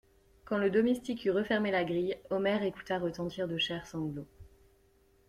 Quand le domestique eut refermé la grille, Omer écouta retentir de chers sanglots.